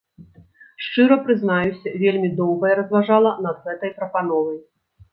Шчыра прызнаюся, вельмі доўга я разважала над гэтай прапановай.